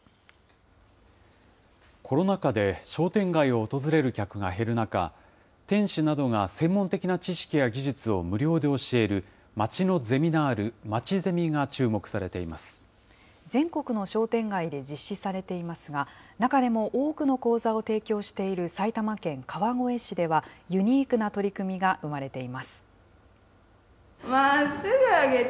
コロナ禍で商店街を訪れる客が減る中、店主などが専門的な知識や技術を無料で教える街のゼミナール、全国の商店街で実施されていますが、中でも多くの講座を提供している埼玉県川越市では、ユニークな取り組みが生まれています。